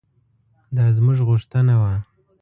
دا زموږ غوښتنه وه.